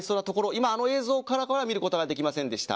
今あの映像からは見ることができませんでした。